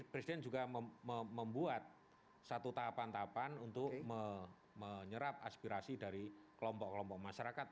presiden juga membuat satu tahapan tahapan untuk menyerap aspirasi dari kelompok kelompok masyarakat